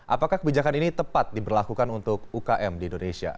apakah kebijakan ini tepat diberlakukan untuk ukm di indonesia